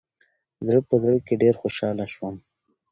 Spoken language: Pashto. زه په زړه کې ډېره خوشحاله شوم .